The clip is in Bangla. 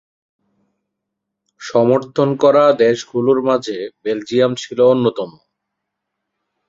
সমর্থন করা দেশগুলোর মাঝে বেলজিয়াম ছিল অন্যতম।